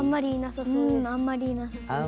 いやあんまりいなさそうです。